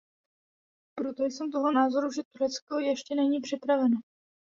Proto jsem toho názoru, že Turecko ještě není připraveno.